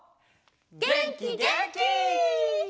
げんきげんき！